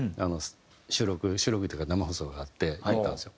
収録収録っていうか生放送があって入ったんですよ。